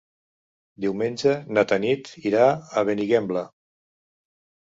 Diumenge na Tanit irà a Benigembla.